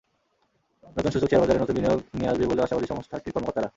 নতুন সূচক শেয়ারবাজারে নতুন বিনিয়োগ নিয়ে আসবে বলেও আশাবাদী সংস্থাটির কর্মকর্তারা।